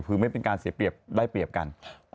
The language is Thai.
คือไม่เป็นการเสียเปรียบได้เปรียบกัน